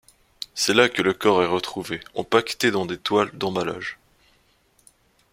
C'est là que le corps est retrouvé, empaqueté dans des toiles d'emballage.